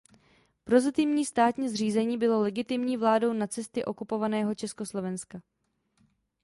Prozatímní státní zřízení bylo legitimní vládou nacisty okupovaného Československa.